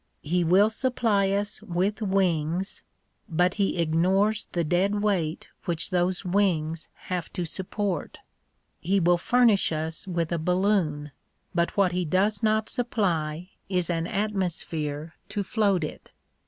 He will supply us with wings, but he ignores the dead weight which those wings have to support ; he will furnish us with a balloon, but what he does not supply is an atmosphere to float it.